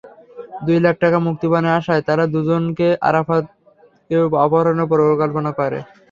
দুই লাখ টাকা মুক্তিপণের আশায় তাঁরা দুজন আরাফাতকে অপহরণের পরিকল্পনা করেন।